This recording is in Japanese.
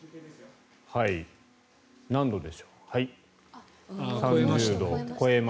何度でしょう？